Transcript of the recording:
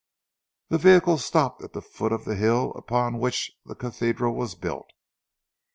The vehicle stopped at the foot of the hill upon which the cathedral was built.